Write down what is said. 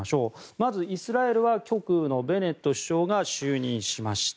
まず、イスラエルは極右のベネット首相が就任しました。